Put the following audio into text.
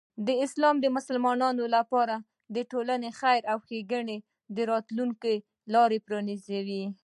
اسلام د مسلمانانو لپاره د ټولنې د خیر او ښېګڼې د راتلوونکی لاره پرانیزي.